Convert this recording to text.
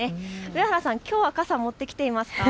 上原さん、きょうは傘持ってきていますか。